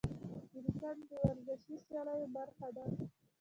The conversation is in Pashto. کرکټ د ورزشي سیالیو برخه ده.